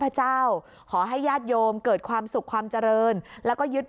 พระเจ้าขอให้ญาติโยมเกิดความสุขความเจริญแล้วก็ยึด